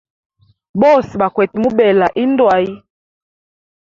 Bose bakwete mubela indu hayi.